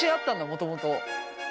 もともと。